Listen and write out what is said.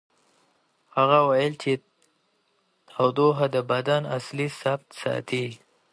هغه وویل چې تودوخه د بدن اصلي ثبات ساتي.